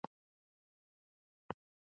د مور په مرسته کورنی ژوند ښه کیږي.